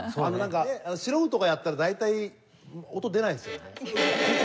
素人がやったら大体音出ないですよね。